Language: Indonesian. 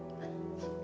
aku salah liat kamu